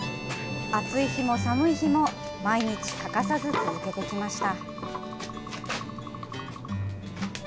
暑い日も寒い日も毎日欠かさず続けてきました。